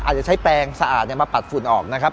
อาจจะใช้แปลงสะอาดมาปัดฝุ่นออกนะครับ